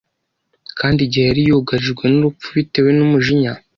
Kandi igihe yari yugarijwe n’urupfu bitewe n’umujinya